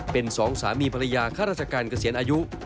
เป็นสองสามีภรรยาข้าราชการเกษียณอายุ